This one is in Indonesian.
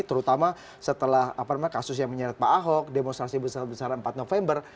terutama setelah kasus yang menyeret pak ahok demonstrasi besar besaran empat november